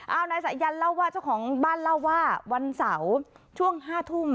เอานายสายันเล่าว่าเจ้าของบ้านเล่าว่าวันเสาร์ช่วง๕ทุ่ม